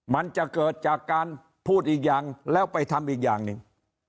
มันจะเกิดจากการพูดอีกอย่างแล้วไปทำอีกอย่างหนึ่ง